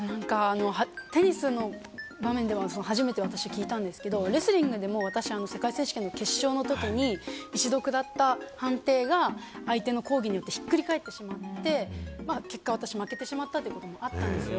テニスの場面では初めて私は聞いたんですけど、レスリングでも私、世界選手権決勝のときに一度食らった判定が相手の抗議によってひっくり返ってしまって、結果、私、負けてしまったということがあったんですよ。